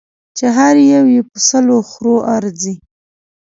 چې هر یو یې په سلو خرو ارزي.